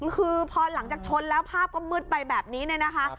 คือพอหลังจากชนแล้วภาพก็มืดไปแบบนี้เนี่ยนะคะ